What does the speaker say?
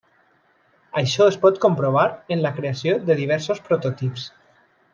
Això es pot comprovar en la creació de diversos prototips.